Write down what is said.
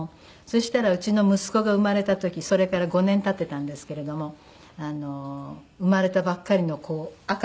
そしたらうちの息子が生まれた時それから５年経ってたんですけれども生まれたばっかりの赤ちゃん